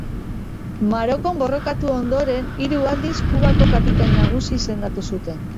Marokon borrokatu ondoren, hiru aldiz Kubako kapitain nagusi izendatu zuten.